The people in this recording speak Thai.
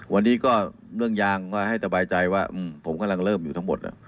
วันนี้ก็เรื่องยางก็ให้สบายใจว่าผมกำลังเริ่มอยู่ทั้งหมด